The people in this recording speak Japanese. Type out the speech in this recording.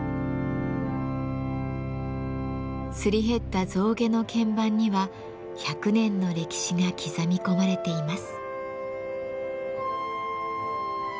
すり減った象牙の鍵盤には１００年の歴史が刻み込まれています。